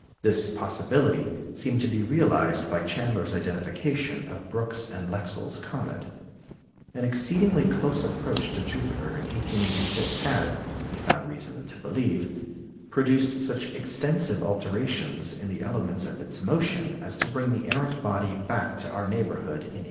This possibility seemed to be realized by Chandler's identification of Brooks's and Lexell's comet. An exceedingly close approach to Jupiter in 1886 had, he found reason to believe, produced such extensive alterations in the elements of its motion as to bring the errant body back to our neighbourhood in 1889.